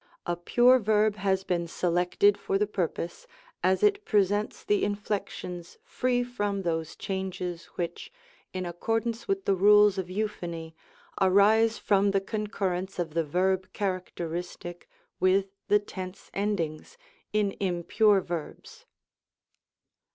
A pure verb has been selected for the purpose, as it presents the inflections free from those changes which, in accordance with the rules of euphony, arise from the concurrence of the verb characteristic with the tense endings, in impure verbs.